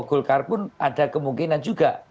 golkar pun ada kemungkinan juga